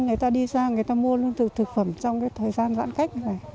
người ta đi xa người ta mua lương thực thực phẩm trong thời gian giãn cách này